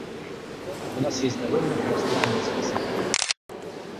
Кроме того, у нас есть довольно пространный список ораторов.